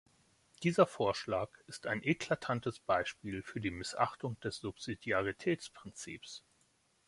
Dieser Vorschlag ist ein eklatantes Beispiel für die Missachtung des Subsidiaritätsprinzips.